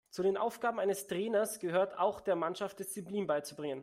Zu den Aufgaben eines Trainers gehört auch, der Mannschaft Disziplin beizubringen.